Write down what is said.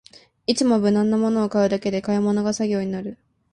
いつも無難なものを買うだけで買い物が作業になる